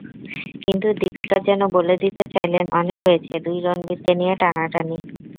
কিন্তু দীপিকা যেন বলে দিতে চাইলেন অনেক হয়েছে দুই রণবীরকে নিয়ে টানাটানি।